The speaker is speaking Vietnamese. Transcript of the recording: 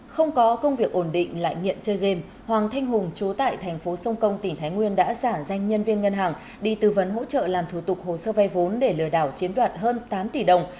không có công việc ổn định lại nghiện chơi game hoàng thanh hùng chú tại thành phố sông công tỉnh thái nguyên đã giả danh nhân viên ngân hàng đi tư vấn hỗ trợ làm thủ tục hồ sơ vay vốn để lừa đảo chiếm đoạt hơn tám tỷ đồng